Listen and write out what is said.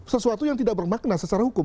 sesuatu yang tidak bermakna secara hukum